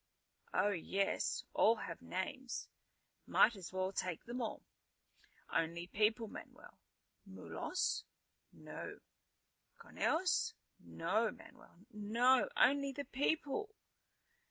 "Oh, yes. All have names. Might as well take them all." "Only people, Manuel." "Mulos?" "No." "Conejos?" "No, Manuel, no. Only the people."